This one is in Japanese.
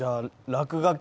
落書き？